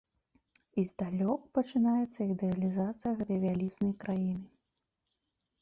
І здалёк пачынаецца ідэалізацыя гэтай вялізнай краіны.